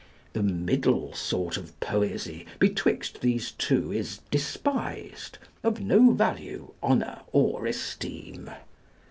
The middle sort of poesy betwixt these two is despised, of no value, honour, or esteem.